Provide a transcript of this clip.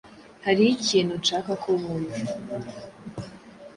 Hariho ikintu nshaka ko wumva.